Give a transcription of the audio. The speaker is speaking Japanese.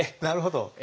なるほど。